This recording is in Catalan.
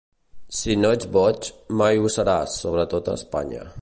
Si no ets boig, mai ho seràs, sobretot a Espanya.